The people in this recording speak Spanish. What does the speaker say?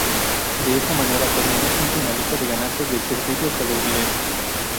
De esta manera, terminó quinto en la lista de ganancias del circuito estadounidense.